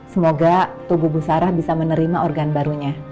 semoga tubuh bu sarah bisa menerima organ barunya